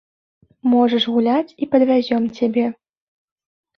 Можаш гуляць, і падвязём цябе.